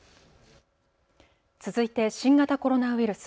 続いて新型コロナウイルス。